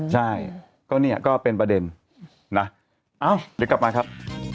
ใช่ก็เนี่ยก็เป็นประเด็นนะเอ้าเดี๋ยวกลับมาครับ